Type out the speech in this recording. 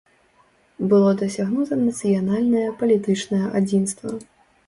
Было дасягнута нацыянальнае палітычнае адзінства.